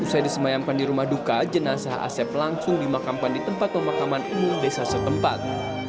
usai disemayamkan di rumah duka jenazah asep langsung dimakamkan di tempat pemakaman umum desa setempat